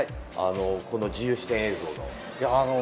この自由視点映像。